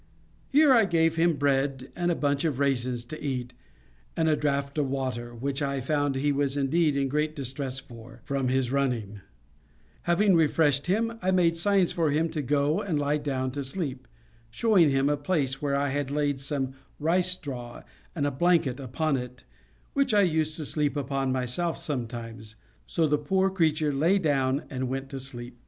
Here I gave him bread and a bunch of raisins to eat, and a draught of water, which I found he was indeed in great distress for, from his running; and, having refreshed him, I made signs for him to go and lie down to sleep, showing him a place where I had laid some rice straw, and a blanket upon it, which I used to sleep upon myself sometimes; so the poor creature lay down, and went to sleep.